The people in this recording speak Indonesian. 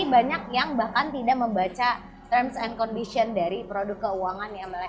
banyak yang bahkan tidak membaca terms and condition dari produk keuangan yang mereka beli